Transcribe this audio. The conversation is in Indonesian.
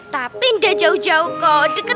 tapi engga jauh jauh kok